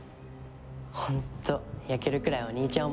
本当やけるくらいお兄ちゃん思い。